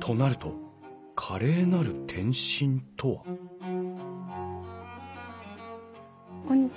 となると華麗なる転身とはこんにちは。